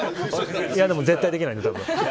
でも絶対できないんで、たぶん。